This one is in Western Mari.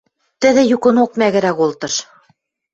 Тӹдӹ юкынок мӓгӹрӓл колтыш.